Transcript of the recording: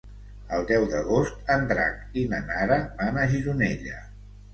El deu d'agost en Drac i na Nara van a Gironella.